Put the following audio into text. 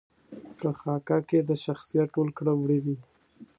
په خاکه کې د شخصیت ټول کړه وړه وي.